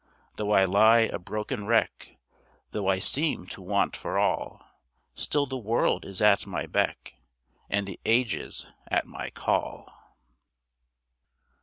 Though I lie a broken wreck, Though I seem to want for all, Still the world is at my beck And the ages at my call.